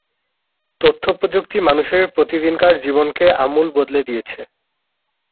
তথ্যপ্রযুক্তি মানুষের প্রতিদিনকার জীবনকে আমূল বদলে দিয়েছে।